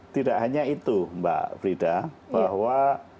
tidak hanya itu mbak frida bahwa